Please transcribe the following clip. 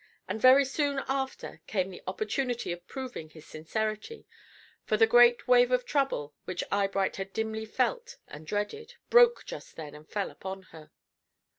And very soon after came the opportunity of proving his sincerity, for the great wave of trouble, which Eyebright had dimly felt and dreaded, broke just then and fell upon her.